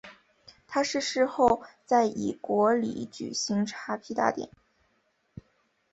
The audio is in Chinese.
他逝世后在以国礼举行荼毗大典。